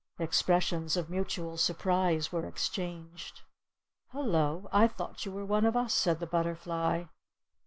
Expressions of mutual surprise were exchanged. "Hello! I thought you were one of us," said the butterfly.